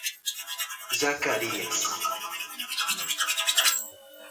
Zacarias